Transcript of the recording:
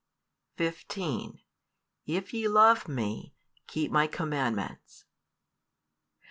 15 If ye love Me, keep My commandments.